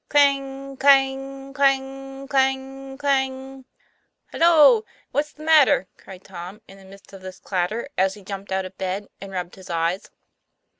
CLANG clang clang clang clang ! "Halloa! what's the matter ?" cried Tom, in the midst of this clatter, as he jumped out of bed and rubbed his eyes.